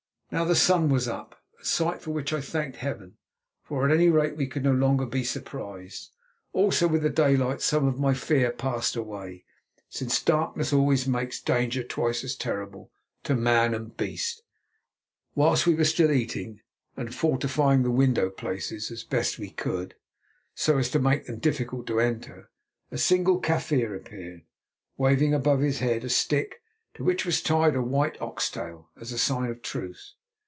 Now the sun was up, a sight for which I thanked Heaven, for, at any rate, we could no longer be surprised. Also, with the daylight, some of my fear passed away, since darkness always makes danger twice as terrible to man and beast. Whilst we were still eating and fortifying the window places as best we could, so as to make them difficult to enter, a single Kaffir appeared, waving above his head a stick to which was tied a white ox tail as a sign of truce.